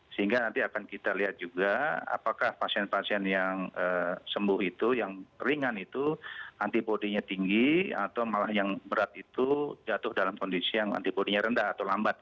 sehingga nanti akan kita lihat juga apakah pasien pasien yang sembuh itu yang ringan itu antibody nya tinggi atau malah yang berat itu jatuh dalam kondisi yang antibody nya rendah atau lambat